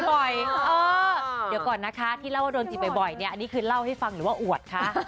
เดี๋ยวก่อนนะคะที่เล่าว่าโดนจีบบ่อยเนี่ยอันนี้คือเล่าให้ฟังหรือว่าอวดคะ